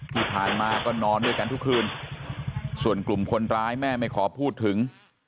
ที่ผ่านมาก็นอนด้วยกันทุกคืนส่วนกลุ่มคนร้ายแม่ไม่ขอพูดถึง